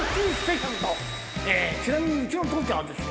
ちなみにうちの父ちゃんはですね